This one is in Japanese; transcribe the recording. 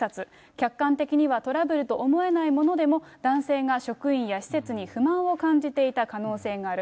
客観的にはトラブルと思えないものでも、男性が職員や施設に不満を感じていた可能性がある。